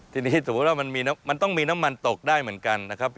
ทีนี้สมมุติว่ามันต้องมีน้ำมันตกได้เหมือนกันนะครับ